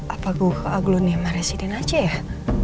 apa gue ke agl rumah residen aceh yah